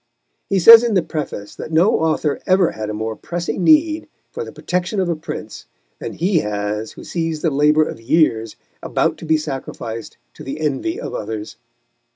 He says in the preface that no author ever had a more pressing need for the protection of a prince than he has who sees the labour of years about to be sacrificed to the envy of others.